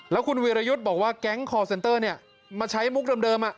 แล้วคุณวิรยุทธ์บอกว่าแก๊งคอร์เซ็นเตอร์เนี้ยมาใช้มุกเดิมเดิมอ่ะ